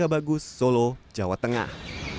bagus solo jawa tengah